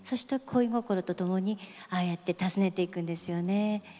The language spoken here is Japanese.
恋心とともにああやって訪ねていくんですよね。